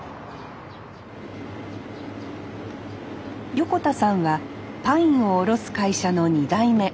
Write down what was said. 横田さんはパインを卸す会社の２代目。